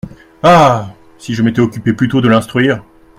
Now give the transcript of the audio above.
Ah ! si je m’étais occupé plus tôt de l’instruire !